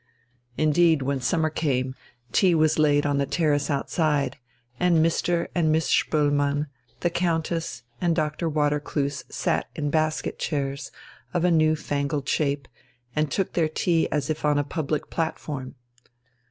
Indeed, when summer came, tea was laid on the terrace outside, and Mr. and Miss Spoelmann, the Countess and Doctor Watercloose sat in basket chairs of a new fangled shape, and took their tea as if on a public platform.